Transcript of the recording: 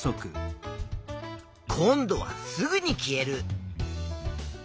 今度はすぐに消える。